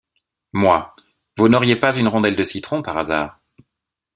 Moi: Vous n’auriez pas une rondelle de citron, par hasard?